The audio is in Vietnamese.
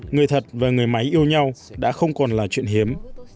người thật và người máy yêu nhau đã không còn là chuyện hiếm